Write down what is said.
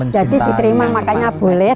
jadi diterima makanya boleh